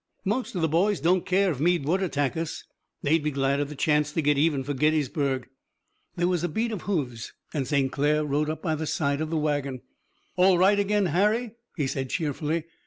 Most of the boys don't care if Meade would attack us. They'd be glad of the chance to get even for Gettysburg." There was a beat of hoofs and St. Clair rode up by the side of the wagon. "All right again, Harry?" he said cheerfully.